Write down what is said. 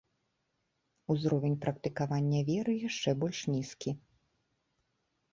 Узровень практыкавання веры яшчэ больш нізкі.